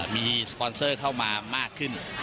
มีสปอนเซอร์เข้ามามากขึ้น